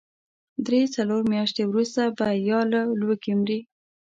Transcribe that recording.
درې، څلور مياشتې وروسته به يا له لوږې مري.